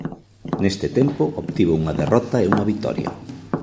Neste tempo obtivo unha derrota e unha vitoria.